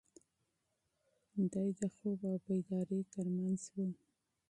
دی د خوب او بیدارۍ تر منځ و.